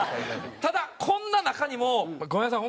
ただこんな中にもごめんなさい。